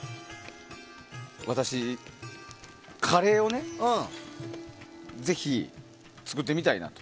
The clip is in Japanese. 私、カレーをねぜひ作ってみたいなと。